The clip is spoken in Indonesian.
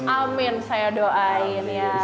amin saya doain ya